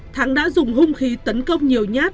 thắng đã dùng hung khí tấn công nhiều nhát